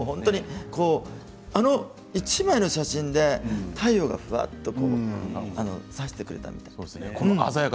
あの１枚の写真で太陽がふわっとさしてくれたみたい。